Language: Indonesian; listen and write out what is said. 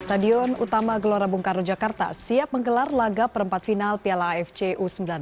stadion utama gelora bung karno jakarta siap menggelar laga perempat final piala afc u sembilan belas